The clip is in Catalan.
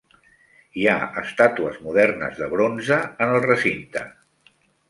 Hi ha estàtues modernes de bronze en el recinte.